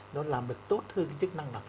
nó làm được tốt hơn cái chức năng nạp khí